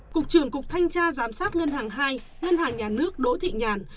cục trưởng cục thanh tra giám sát ngân hàng hai ngân hàng nhà nước đỗ thị nhàn